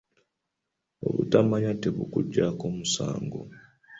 Obutamanya tebukuggyisaako musango.